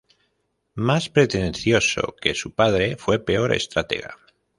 Más pretencioso que su padre, fue peor estratega.